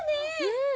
うん。